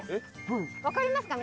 分かりますか？